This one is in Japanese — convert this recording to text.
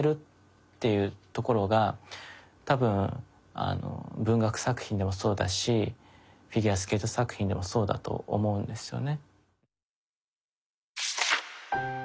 っていうところが多分文学作品でもそうだしフィギュアスケート作品でもそうだと思うんですよね。